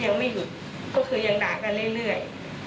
ยังไม่หยุดก็คือยังด่ากันเรื่อย